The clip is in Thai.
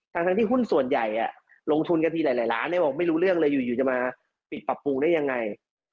ทั้งที่หุ้นส่วนใหญ่ลงทุนกันทีหลายล้านเลยบอกไม่รู้เรื่องเลยอยู่จะมาปิดปรับปรุงได้ยังไง